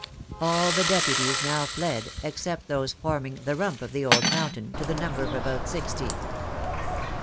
All the deputies now fled, except those forming the rump of the old Mountain, to the number of about sixty.